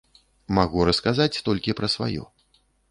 Магу расказаць толькі пра сваё.